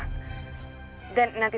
dan nanti seorang hari nanti